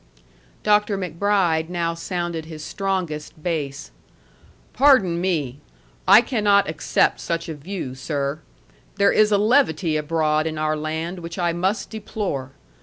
Dr. MacBride now sounded his strongest bass. "Pardon me. I cannot accept such a view, sir. There is a levity abroad in our land which I must deplore.